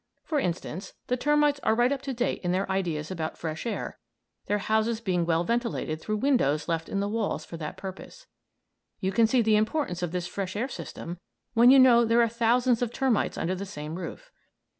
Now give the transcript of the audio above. For instance, the termites are right up to date in their ideas about fresh air, their houses being well ventilated through windows left in the walls for that purpose. You can see the importance of this fresh air system when you know there are thousands of termites under the same roof.